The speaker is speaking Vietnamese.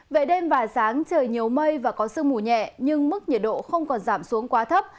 về đêm và sáng trời nhiều mây và có sương mù nhẹ nhưng mức nhiệt độ không còn giảm xuống quá thấp